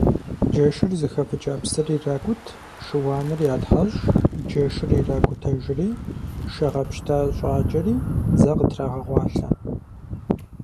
Джэшыр зыхэвыкӀа псыр иракӀут, шыуаныр ятхьэщӀ, джэшыр иракӀутэжри, шэ гъэпщта щӀакӀэри, зэ къытрагъэкъуалъэ.